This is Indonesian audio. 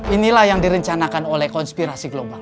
inilah yang direncanakan oleh konspirasi global